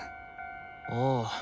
ああ。